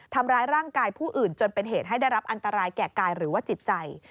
ทำร้ายร่างกายผู้อื่นจนเป็นเหตุให้ได้รับอันตรายแก่กายหรือว่าจิตใจ